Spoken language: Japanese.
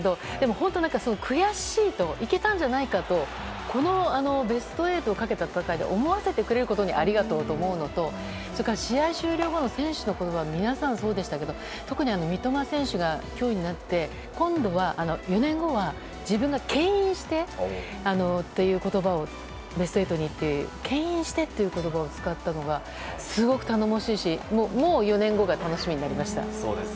本当に悔しいといけたんじゃないかとこのベスト８をかけた戦いで思わせてくれることにありがとうと思うのと試合終了後の選手の言葉皆さん、そうでしたけど特に三笘選手が今日になって今度は、４年後は自分が牽引してという言葉をベスト８にってけん引してという言葉を使ったのがすごく頼もしいし、もう４年後が楽しみになりました。